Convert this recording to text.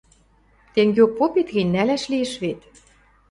— Тенгеок попет гӹнь, нӓлӓш лиэш вет.